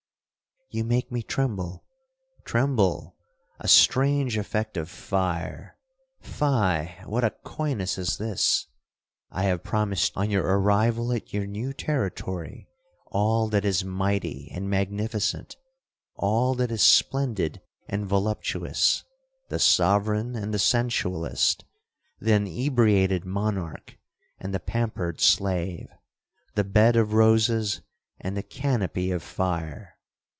'—'You make me tremble!'—'Tremble!—a strange effect of fire. Fie! what a coyness is this! I have promised, on your arrival at your new territory, all that is mighty and magnificent,—all that is splendid and voluptuous—the sovereign and the sensualist—the inebriated monarch and the pampered slave—the bed of roses and the canopy of fire!'